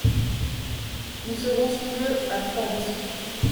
Nous serons sous peu à Trente.